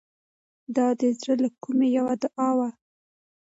دا د زړه له کومې یوه دعا وه.